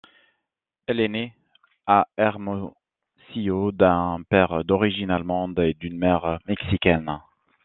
Elle est née à Hermosillo d'un père d'origine allemande et d'une mère mexicaine.